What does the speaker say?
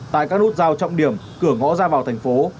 tại các nút giao trọng điểm cửa ngõ ra vào thành phố